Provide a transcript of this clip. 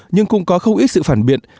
nhưng cũng có không ít sự phản biện